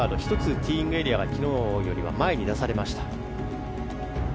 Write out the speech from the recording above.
ティーイングエリアが昨日より前に出されました。